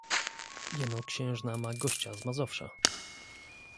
"Jeno księżna ma gościa z Mazowsza."